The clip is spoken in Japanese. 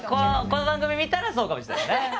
この番組見たらそうかもしれないですね。